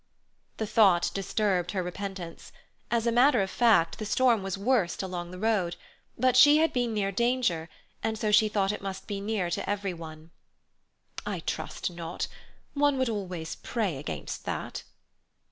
The thought disturbed her repentance. As a matter of fact, the storm was worst along the road; but she had been near danger, and so she thought it must be near to everyone. "I trust not. One would always pray against that."